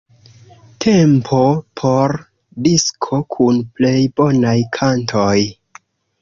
Tempo por 'disko kun plej bonaj kantoj'.